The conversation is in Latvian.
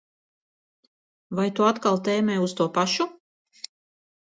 Vai tu atkal tēmē uz to pašu?